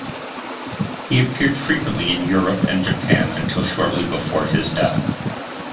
He appeared frequently in Europe and Japan until shortly before his death.